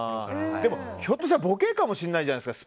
でも、ひょっとしたらボケかもしれないじゃないですか。